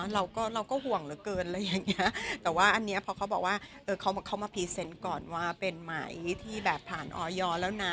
เราก็ห่วงเหลือเกินหรืออย่างนี้อันนี้พอเขาบอกว่าเขามีพฤษก่อนว่าเป็นใหม่ที่ผ่านออยท์แล้วนะ